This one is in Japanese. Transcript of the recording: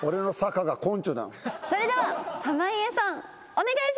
それでは濱家さんお願いします！